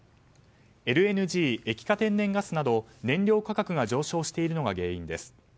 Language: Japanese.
ＬＮＧ・液化天然ガスなど燃料価格が上昇しているのが原因です。